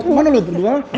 mana lu berdua